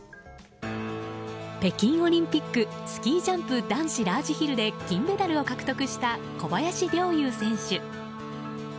北京オリンピックスキージャンプ男子ラージヒルで銀メダルを獲得した小林陵侑選手。